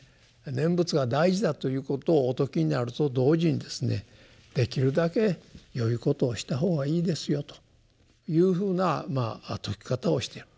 念仏が大事だということをお説きになると同時にですねできるだけよいことをしたほうがいいですよというふうな説き方をしてる。